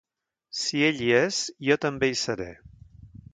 Si ell hi és, jo també hi seré.